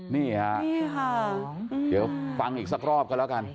นี่ค่ะเดี๋ยวฟังอีกสักรอบกันแล้วกัน